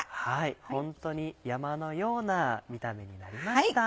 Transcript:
ホントに山のような見た目になりました。